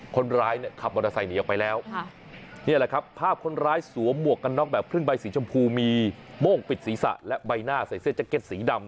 คนร้ายเนี่ยขับมอเตอร์ไซค์หนีออกไปแล้วค่ะนี่แหละครับภาพคนร้ายสวมหมวกกันน็อกแบบครึ่งใบสีชมพูมีโม่งปิดศีรษะและใบหน้าใส่เสื้อแจ็คเก็ตสีดำ